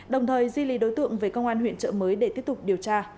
đồng thời di lý đối tượng về công an huyện trợ mới để tiếp tục điều tra